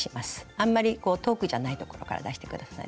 あんまり遠くじゃないところから出して下さい。